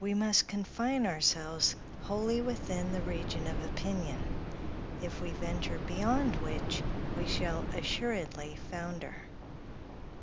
We must confine ourselves wholly within the region of opinion; if we venture beyond which, we shall assuredly founder.